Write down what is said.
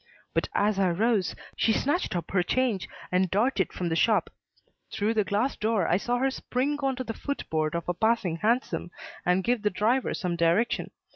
But as I rose, she snatched up her change and darted from the shop. Through the glass door, I saw her spring on to the foot board of a passing hansom and give the driver some direction.